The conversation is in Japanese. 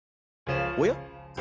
おや？